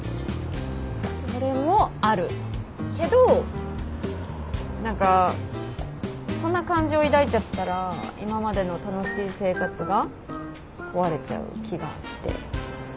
それもあるけど何かそんな感情抱いちゃったら今までの楽しい生活が壊れちゃう気がして。